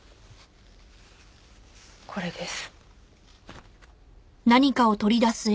これです。